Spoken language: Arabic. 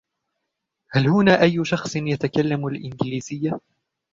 هل هنا اي شخص يتكلم الانجليزية؟